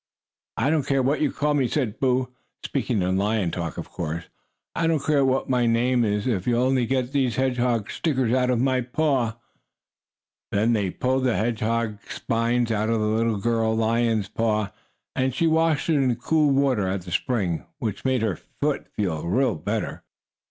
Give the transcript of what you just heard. "I don't care what you call me," said Boo, speaking in lion talk of course. "I don't care what my name is, if you'll only get these hedgehog stickers out of my paw." Then they pulled the hedgehog spines out of the little girl lion's paw, and she washed it in cool water at the spring, which made her foot feel better.